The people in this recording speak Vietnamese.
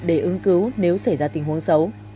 để ứng cứu nếu xảy ra tình huống xấu